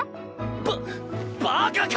ババカか！